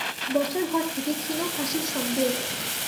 বসার ঘর থেকে ক্ষীণ হাসির শব্দ এল।